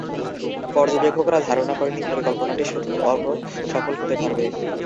পর্যবেক্ষকরা ধারণা করেন এই পরিকল্পনাটি শুধু অল্প সফল হতে পারবে।